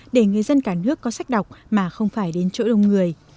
dân cả nước có sách đọc mà không phải đến chỗ đông người